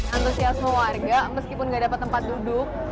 antusiasme warga meskipun gak dapat tempat duduk